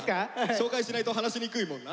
紹介しないと話しにくいもんな。